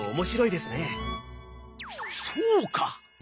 そうか！